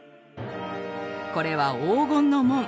これは「黄金の門」。